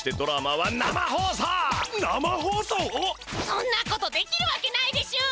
そんなことできるわけないでしゅ。